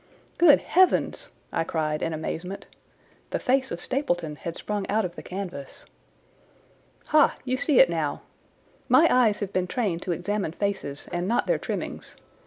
"Good heavens!" I cried in amazement. The face of Stapleton had sprung out of the canvas. "Ha, you see it now. My eyes have been trained to examine faces and not their trimmings.